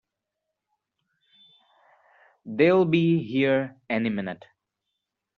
They'll be here any minute!